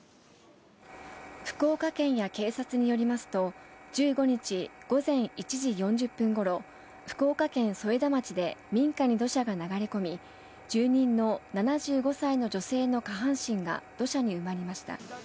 福岡県や警察によりますと１５日午前１時４０分ごろ福岡県添田町で民家に土砂が流れ込み住人の７５歳の女性の下半身が土砂に埋まりました。